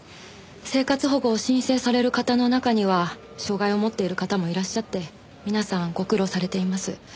生活保護を申請される方の中には障碍を持っている方もいらっしゃって皆さんご苦労されています。